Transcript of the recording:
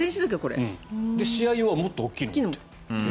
試合用はもっと大きいんだって。